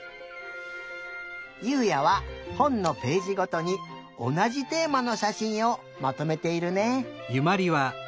ゆうやはほんのページごとにおなじテーマのしゃしんをまとめているね。